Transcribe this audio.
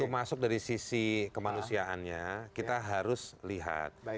masuk dari sisi kemanusiaannya kita harus lihat